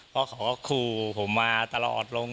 เพราะเขาก็ขู่ผมมาตลอดลง